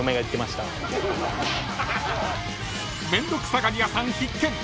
［面倒くさがり屋さん必見。